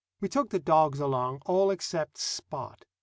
We took the dogs along, all except Spot.